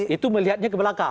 itu melihatnya ke belakang